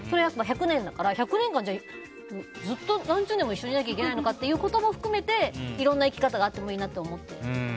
１００年だから１００年が、ずっと何十年も一緒にいなきゃいけないのかというのも含めていろんな生き方だと思います。